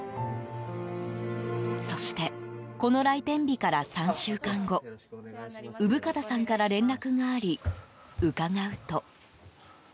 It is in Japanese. そしてこの来店日から３週間後産形さんから連絡があり伺うと。